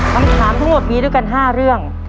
คำถามทั้งหมดมีด้วยกัน๕เรื่อง